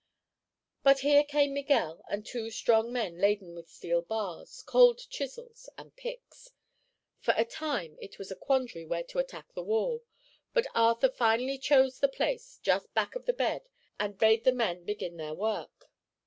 But here came Miguel and two strong men laden with steel bars, cold chisels and picks. For a time it was a quandary where to attack the wall, but Arthur finally chose the place just back of the bed and bade the men begin their work.